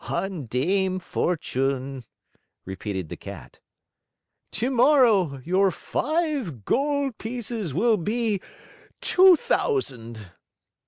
"On Dame Fortune," repeated the Cat. "Tomorrow your five gold pieces will be two thousand!"